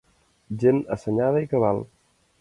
Gent assenyada i cabal.